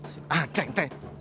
si anjing teh